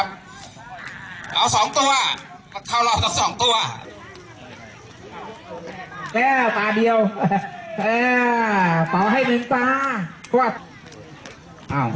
เปอร์สองนะครับแล้วสองตัวเข้ารอบจากสองตัว